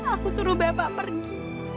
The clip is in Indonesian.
aku suruh bapak pergi